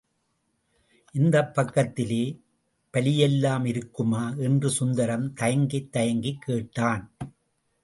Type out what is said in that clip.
இந்தப் பக்கத்திலே புலியெல்லாம் இருக்குமா? என்று சுந்தரம் தயங்கித் தயங்கிக் கேட்டான்.